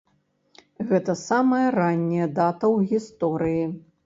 Гэта самая ранняя дата ў гісторыі.